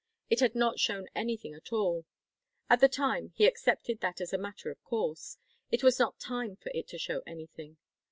It had not shown anything at all. At the time he accepted that as a matter of course it was not time for it to show anything.